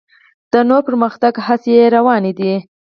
د نور پرمختګ هڅې یې روانې دي.